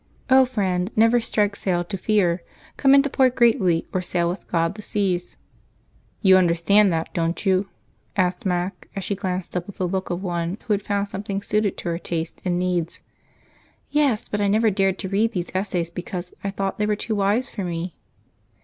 O friend, never strike sail to a fear! Come into port greatly, or sail with God the seas.'" "You understand that, don't you?" asked Mac as she glanced up with the look of one who had found something suited to her taste and need. "Yes, but I never dared to read these Essays, because I thought they were too wise for me."